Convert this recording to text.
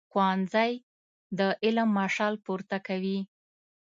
ښوونځی د علم مشال پورته کوي